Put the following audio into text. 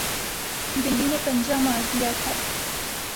بلی نے پنجہ مار دیا تھا